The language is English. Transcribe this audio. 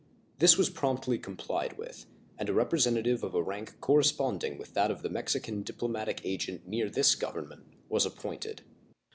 This was promptly complied with, and a representative of a rank corresponding with that of the Mexican diplomatic agent near this Government was appointed.